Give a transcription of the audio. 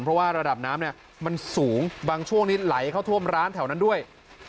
เพราะว่าระดับน้ำเนี่ยมันสูงบางช่วงนี้ไหลเข้าท่วมร้านแถวนั้นด้วย